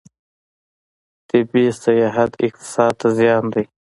طبي سیاحت اقتصاد ته زیان دی.